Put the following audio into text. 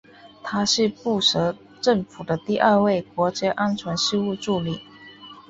他是布什政府的第二位国家安全事务助理。